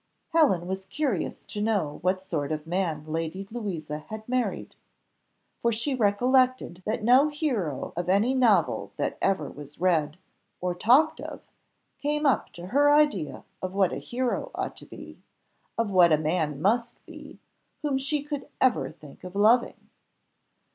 Helen was curious to know what sort of man Lady Louisa had married, for she recollected that no hero of any novel that ever was read, or talked of, came up to her idea of what a hero ought to be, of what a man must be, whom she could ever think of loving.